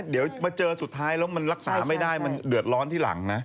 เดี๋ยวมาเจอสุดท้ายแล้วมันรักษาไม่ได้มันเดือดร้อนที่หลังนะ